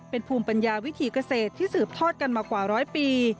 เป็นภูมิปัญญาวิถีเกษตรที่สืบทอดกันมากว่าร้อยปี